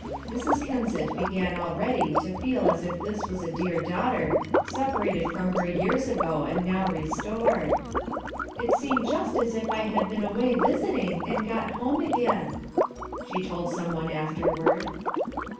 Mrs. Kensett began already to feel as if this was a dear daughter separated from her years ago and now restored. "It seemed just as if I had been away visiting and got home again," she told someone afterward.